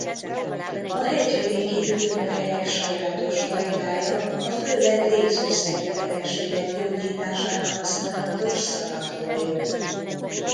A hegyvidéki üdülőhelyek sajátos fajtája a főleg légzőszervi betegségek gyógyítására használatos szanatórium.